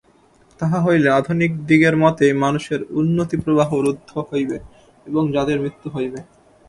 তাহা হইলে আধুনিকদিগের মতে মানুষের উন্নতিপ্রবাহ রুদ্ধ হইবে এবং জাতির মৃত্যু হইবে।